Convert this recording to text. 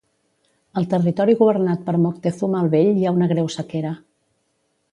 Al territori governat per Moctezuma el vell hi ha una greu sequera.